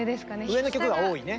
上の曲が多いね。